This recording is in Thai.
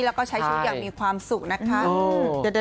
และใช้ชูอยากมีความสุขนะคะ